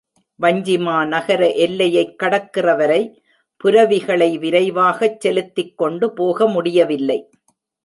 வஞ்சிமா நகர எல்லையைக் கடக்கிறவரை புரவிகளை விரைவாகச் செலுத்திக் கொண்டு போகமுடியவில்லை.